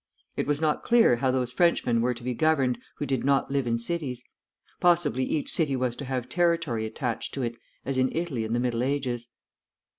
It was not clear how those Frenchmen were to be governed who did not live in cities; possibly each city was to have territory attached to it, as in Italy in the Middle Ages.